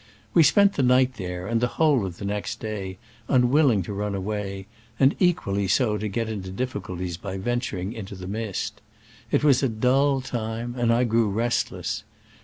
We spent the night there and the whole of the next day, un willing to run awa?y, and equally so to get into difficulties by venturing into the mist. It was a dull time, and I grew restiess.